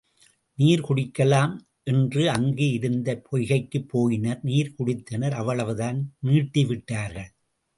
நீர் குடிக்கலாம் என்று அங்கு இருந்த பொய்கைக்குப் போயினர் நீர் குடித்தனர் அவ்வளவுதான் நீட்டிவிட்டார்கள்.